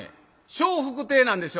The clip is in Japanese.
笑福亭なんですよ